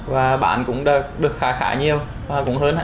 và bán cũng được khá khá nhiều